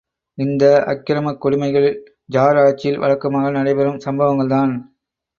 இந்த அக்கிரமக் கொடுமைகள் ஜார் ஆட்சியில் வழக்கமாக நடைபெறும் சம்பவங்கள்தான்.